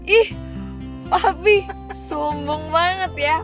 ih babi sumbung banget ya